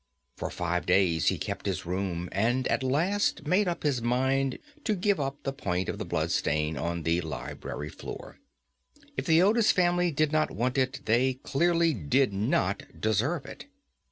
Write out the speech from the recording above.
For five days he kept his room, and at last made up his mind to give up the point of the blood stain on the library floor. If the Otis family did not want it, they clearly did not deserve it.